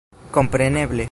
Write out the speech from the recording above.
kompreneble